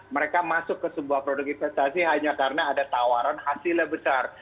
mereka masuk ke sebuah produk investasi hanya karena ada tawaran hasilnya besar